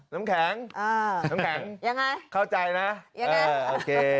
น้ำแข็งเออน้ำแข็งยังไงเข้าใจนะเออโอเค